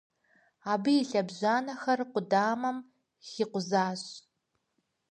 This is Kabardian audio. Абы и лъэбжьанэхэр къудамэм хикъузащ.